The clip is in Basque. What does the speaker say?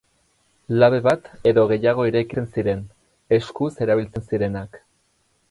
Labe bat edo gehiago eraikitzen ziren, eskuz erabiltzen zirenak.